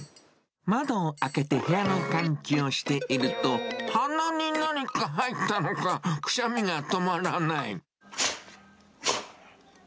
窓を開けて部屋の換気をしていると、鼻に何か入ったのか、くしゃみが止まらない。